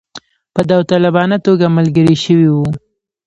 په داوطلبانه توګه ملګري شوي وه.